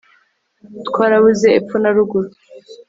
Twarabuze epfo na ruguru